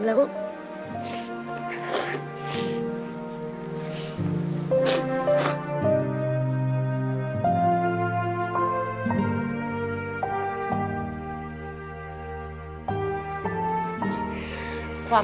ขอบคุณครับ